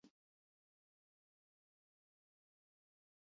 Azkenean egondako istiluetan milioi bat euroko kalte materialak izan ziren.